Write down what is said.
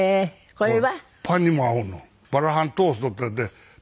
これは？